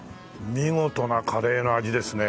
見事なカレーの味ですね。